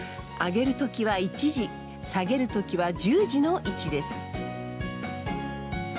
上げる時は１時下げる時は１０時の位置です。